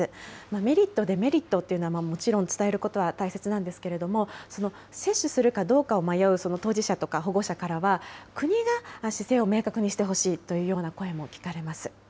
メリット、デメリットというのはもちろん伝えることは大切なんですけれども、接種するかどうかを迷う当事者とか保護者からは、国が姿勢を明確にしてほしいというような声も聞かれます。